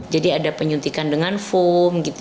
ada penyuntikan dengan foam